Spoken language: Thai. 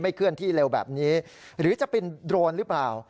เคลื่อนที่เร็วแบบนี้หรือจะเป็นโดรนหรือเปล่า